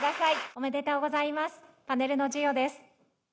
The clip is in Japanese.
おめでとうございますパネルの授与です